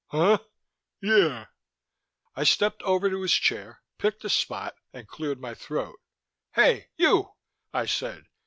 "Huh? Yeah." I stepped over to his chair, picked a spot, and cleared my throat. "Hey, you," I said.